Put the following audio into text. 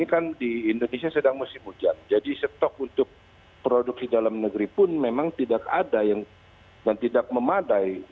ini kan di indonesia sedang musim hujan jadi stok untuk produksi dalam negeri pun memang tidak ada yang dan tidak memadai